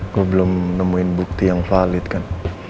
gue belum nemuin bukti yang valid kan